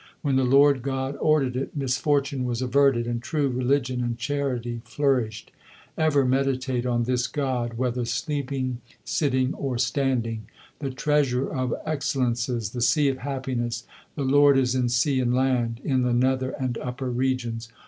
When the Lord God ordered it, misfortune was averted, and true religion and charity flourished. Ever meditate on this God whether sleeping, sitting, or standing. The Treasure of excellences, the Sea of happiness, the Lord is in sea and land, in the nether and upper regions.